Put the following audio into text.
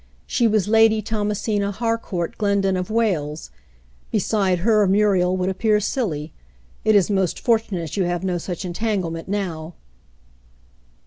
She was Lady Thomasia Harcourt Glendyne of Wales. Be side her, Muriel would appear silly. It is most fortunate you have no such entanglement now."